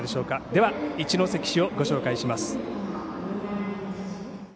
では、一関市をご紹介します。